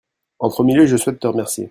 en premier lieu je souhaite te remercier.